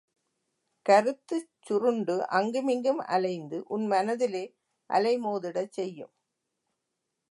கருத்து சுருண்டு அங்குமிங்கும் அலைந்து உன் மனதிலே அலைமோதிடச் செய்யும்.